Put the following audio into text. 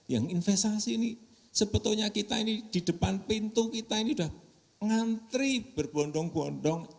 yang investasi ini sebetulnya kita ini di depan pintu kita ini sudah ngantri berbondong bondong